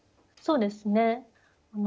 そうですね。